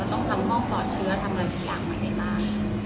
ต้องทำห้องปลอดเชื้อทำอะไรทุกอย่างมาให้มาก